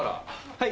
はい。